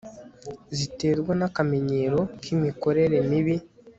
ziterwa nakamenyero kimikorere mibi